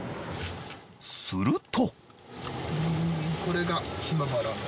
すると。